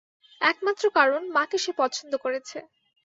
একমাত্র কারণ, মাকে সে পছন্দ করেছে।